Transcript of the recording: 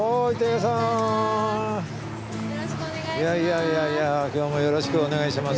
いやいや今日もよろしくお願いします。